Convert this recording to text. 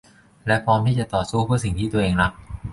และพร้อมที่จะต่อสู้เพื่อสิ่งที่ตัวเองรัก